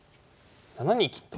７二金と。